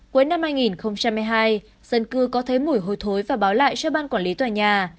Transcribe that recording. cuối năm hai nghìn hai mươi hai dân cư có thấy mùi hôi thối và báo lại cho ban quản lý tòa nhà